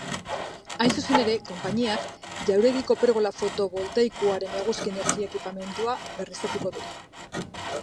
Hain zuzen ere, konpainiak jauregiko pergola fotovoltaikoaren eguzki energia ekipamendua berriztatuko du.